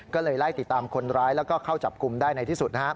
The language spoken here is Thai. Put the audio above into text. ก็เลยไล่ติดตามคนร้ายแล้วก็เข้าจับกลุ่มได้ในที่สุด